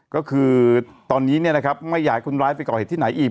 ก็คือตอนนี้เนี่ยนะครับไม่อยากขนร้ายไปก่อเหตุที่ไหนอีก